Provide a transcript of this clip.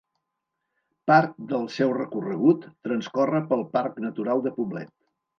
Part del seu recorregut transcorre pel Parc Natural de Poblet.